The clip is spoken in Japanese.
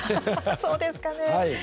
そうですかね。